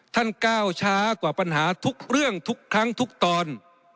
ก้าวช้ากว่าปัญหาทุกเรื่องทุกครั้งทุกตอน